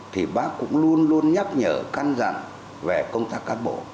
thì bác cũng luôn luôn nhắc nhở căn dặn về công tác cán bộ